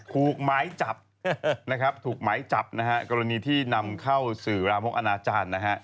คูกไม้จับถูกไม้จับกรณีที่นำเข้าสื่อรามพรคอนาจารย์